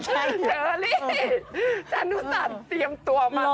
แจ็คจานุสั่นเตรียมตัวมานาน